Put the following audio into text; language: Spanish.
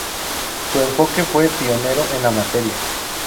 Su enfoque fue pionero en la materia.